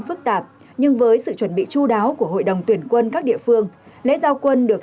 phức tạp nhưng với sự chuẩn bị chú đáo của hội đồng tuyển quân các địa phương lễ giao quân được